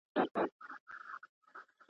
د انسان مخ د خداى له نوره دئ.